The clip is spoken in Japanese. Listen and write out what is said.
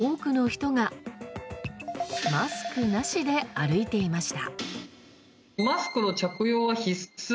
多くの人がマスクなしで歩いていました。